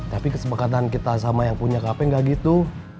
tapi keseberkatan kita sama yang punya kp gak gitu